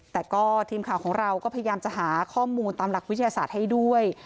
แต่ก็ทีมข่าวของเราก็พยายามจะหาข้อมูลตามหลักวิทยาศาสตร์ให้ด้วย